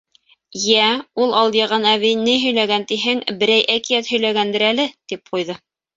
— Йә, ул алйыған әбей ни һөйләгән тиһең, берәй әкиәт һөйләгәндер әле, — тип ҡуйҙы.